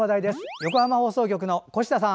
横浜放送局の越田さん。